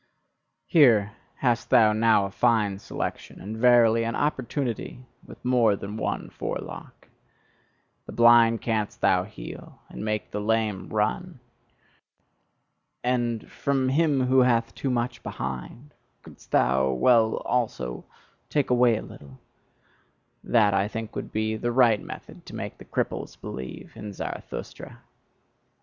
Here hast thou now a fine selection, and verily, an opportunity with more than one forelock! The blind canst thou heal, and make the lame run; and from him who hath too much behind, couldst thou well, also, take away a little; that, I think, would be the right method to make the cripples believe in Zarathustra!"